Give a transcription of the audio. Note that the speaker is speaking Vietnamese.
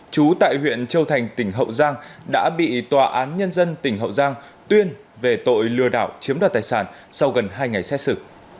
chú tại huyện châu thành tỉnh hậu giang đã bị tòa án nhân dân tỉnh hậu giang tuyên về tội lừa đảo chiếm đoạt tài sản sau gần hai ngày xét xử